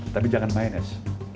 tapi jangan minus